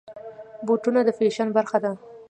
بوټونه د فیشن برخه ده.